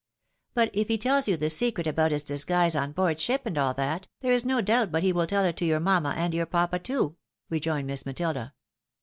But if he tells you the secret about his disguise on board ship, and all that, there is no doubt but he will tell it to your mamma and your papa too," rejoined Miss Matilda.